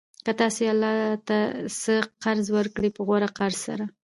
كه تاسي الله ته څه قرض ورکړئ په غوره قرض سره